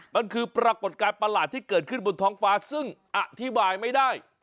มันคือปรากฏการณ์ประหลาดที่เกิดขึ้นบนท้องฟ้าซึ่งอธิบายไม่ได้